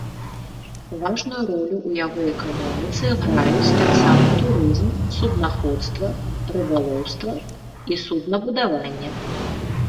Важную ролю ў яго эканоміцы граюць таксама турызм, суднаходства, рыбалоўства і суднабудаванне.